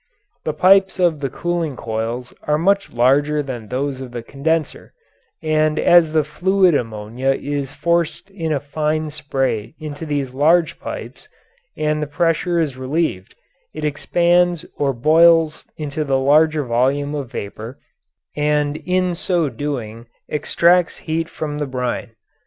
The pipes of the cooling coils are much larger than those of the condenser, and as the fluid ammonia is forced in a fine spray into these large pipes and the pressure is relieved it expands or boils into the larger volume of vapour and in so doing extracts heat from the brine.